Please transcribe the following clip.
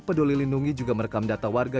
peduli lindungi juga merekam data warga